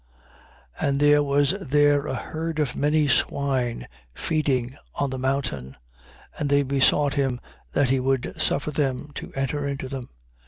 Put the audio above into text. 8:32. And there was there a herd of many swine feeding on the mountain: and they besought him that he would suffer them to enter into them.